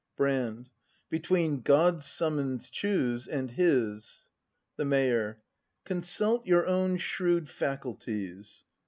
Brand. Between God's summons choose, and his! The Mayor. Consult your own shrewd faculties!